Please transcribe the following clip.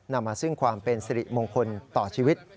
นำมาซึ่งความเป็นสิริมงคลต่อชีวิต